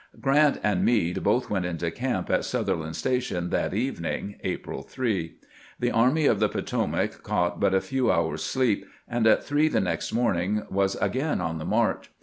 Grant and Meade both went into camp at Sutherland's Station that evening (April 3). The Army of the Poto mac caught but a few hours' sleep, and at three the next morning was again on the march.